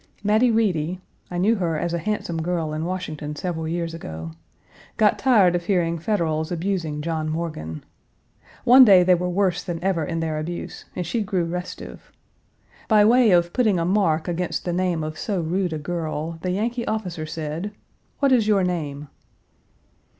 Mattie Reedy (I knew her as a handsome girl in Washington several years ago) got tired of hearing Federals abusing John Morgan. One day they were worse than ever in their abuse and she grew restive. By way of putting a mark against the name of so rude a girl, the Yankee officer said, "What is your name?"